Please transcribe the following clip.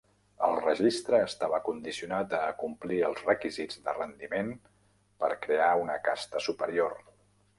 El registre estava condicionat a acomplir els requisits de rendiment per crear una casta superior.